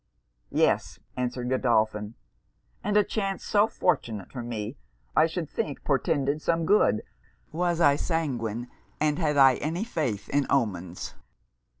'Yes,' answered Godolphin. 'And a chance so fortunate for me I should think portended some good, was I sanguine, and had I any faith in omens.'